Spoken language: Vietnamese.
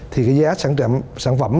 thì cái giá sản phẩm